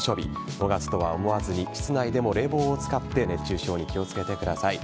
５月とは思わず室内でも冷房を使って熱中症に気をつけてください。